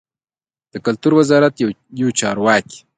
د کلتور وزارت یو چارواکي